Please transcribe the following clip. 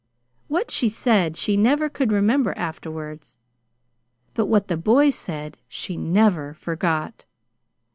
What she said she never could remember afterwards; but what the boy said, she never forgot.